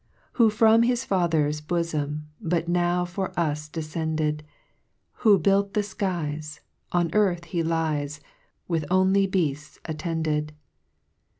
Who from his Father's bofom But now for us defcended, Who built the Ikies, On earth he lies, With only bealts attended.